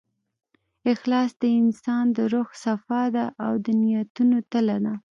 اخلاص د انسان د روح صفا ده، او د نیتونو تله ده.